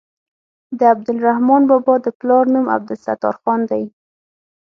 د عبدالرحمان بابا د پلار نوم عبدالستار خان دی.